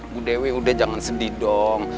bu dewi udah jangan sedih dong